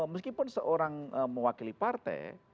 meskipun seorang mewakili partai